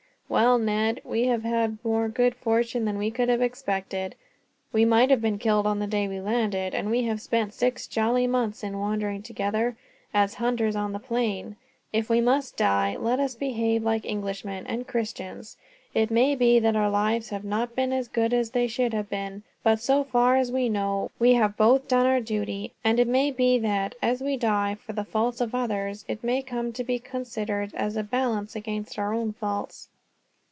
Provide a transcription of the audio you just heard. "Well, Ned, we have had more good fortune than we could have expected. We might have been killed on the day when we landed, and we have spent six jolly months in wandering together, as hunters, on the plain. If we must die, let us behave like Englishmen and Christians. It may be that our lives have not been as good as they should have been; but so far as we know, we have both done our duty; and it may be that, as we die for the faults of others, it may come to be considered as a balance against our own faults."